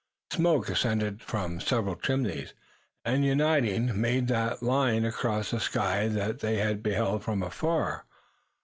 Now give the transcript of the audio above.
Smoke ascended from several chimneys, and, uniting, made the line across the sky that they had beheld from afar.